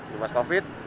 di luar covid